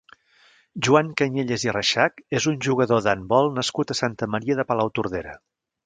Joan Cañellas i Reixach és un jugador d'handbol nascut a Santa Maria de Palautordera.